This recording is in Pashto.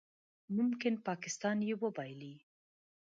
ممکن پاکستان یې وبایلي